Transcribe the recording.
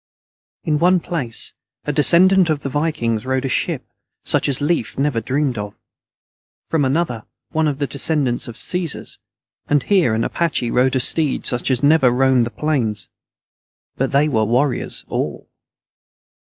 ] _In one place, a descendant of the Vikings rode a ship such as Lief never dreamed of; from another, one of the descendants of the Caesars, and here an Apache rode a steed such as never roamed the plains. But they were warriors all.